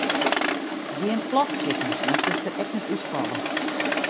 Gean plat sitten dan kinst der ek net útfalle.